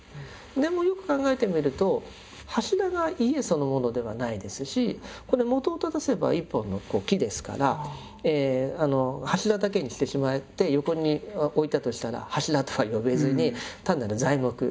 でもよく考えてみると柱が家そのものではないですしこれ本を正せば一本の木ですから柱だけにしてしまって横に置いたとしたら柱とは呼べずに単なる材木ですよね。